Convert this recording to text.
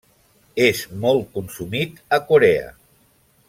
És molt consumit a Corea.